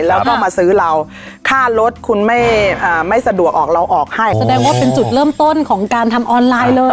แล้วก็มาซื้อเราค่ารถคุณไม่สะดวกออกเราออกให้แสดงว่าเป็นจุดเริ่มต้นของการทำออนไลน์เลย